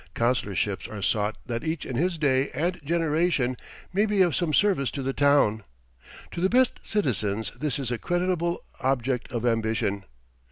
Councilorships are sought that each in his day and generation may be of some service to the town. To the best citizens this is a creditable object of ambition.